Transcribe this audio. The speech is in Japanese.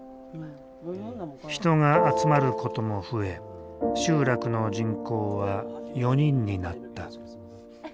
人が集まることも増え集落の人口は４人になった。